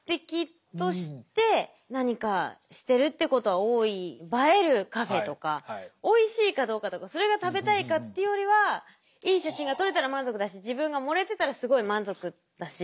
でも確かに映えるカフェとかおいしいかどうかとかそれが食べたいかってよりはいい写真が撮れたら満足だし自分が盛れてたらすごい満足だし。